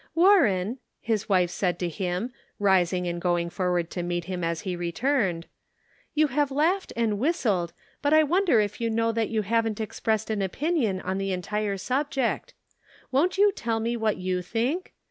"Warren," his wife said to him, rising and going forward to meet him as he returned, The Social Problem. 109 " you have laughed and whistled, but I wonder if you know that you haven't expressed an opinion on the entire subject. Won't you tell me what you think?